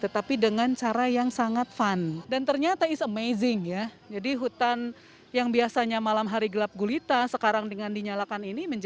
tapi menjadi unik dan keren